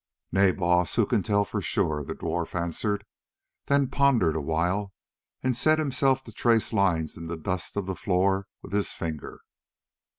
"Nay, Baas, who can tell for sure?" the dwarf answered; then pondered a while, and set himself to trace lines in the dust of the floor with his finger.